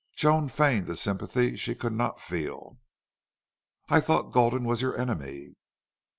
Joan feigned the sympathy she could not feel. "I thought Gulden was your enemy."